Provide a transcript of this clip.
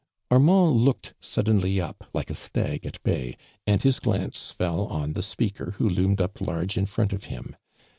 Arniand looked su<ldenly up lik(! a stag at Imy. and his glance fell on tlie spoukor who loomed up largo in front of him.